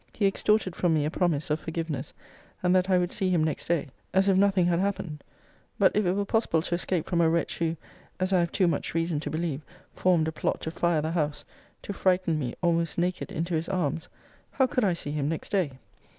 He extorted from me a promise of forgiveness, and that I would see him next day, as if nothing had happened: but if it were possible to escape from a wretch, who, as I have too much reason to believe, formed a plot to fire the house, to frighten me, almost naked, into his arms, how could I see him next day?